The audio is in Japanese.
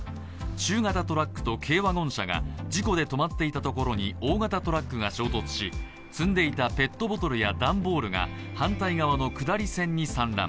中型トラックと軽ワゴン車が事故で止まっていたところに大型トラックが衝突し積んでいたペットボトルや段ボールが反対側の下り線に散乱。